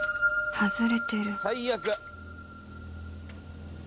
外れてる